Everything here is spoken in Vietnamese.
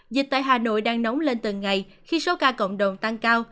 dịch tại hà nội đang nóng lên từng ngày khi số ca cộng đồng tăng cao